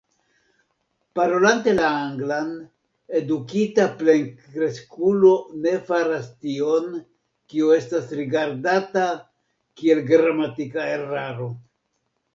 Parolante la anglan, edukita plenkreskulo ne faras tion, kio estas rigardata kiel gramatika eraro.